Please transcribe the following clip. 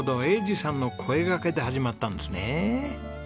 栄治さんの声がけで始まったんですね。